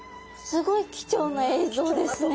すごい貴重な映像ですね。